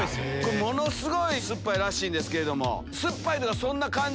ものすごい酸っぱいらしいんですけれども。